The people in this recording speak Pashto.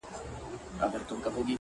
• په دربار کي که ولاړ ډنډه ماران وه,